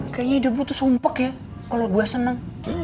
kayaknya ide bu tuh sompek ya kalo gue seneng